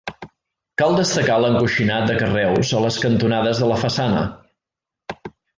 Cal destacar l'encoixinat de carreus a les cantonades de la façana.